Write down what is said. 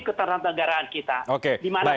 ketentang negaraan kita dimana